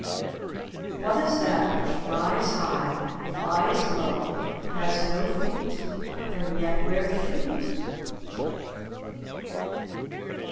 What is that which flies high, flies low, has no feet, and yet wears shoes?